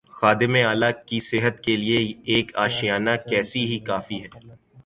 خادم اعلی کی صحت کیلئے یہ ایک آشیانہ کیس ہی کافی ہے۔